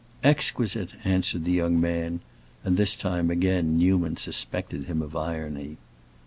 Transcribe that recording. "Exquisite," answered the young man, and this time, again, Newman suspected him of irony.